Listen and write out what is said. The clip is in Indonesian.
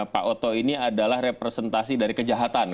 pak oto ini adalah representasi dari kejahatan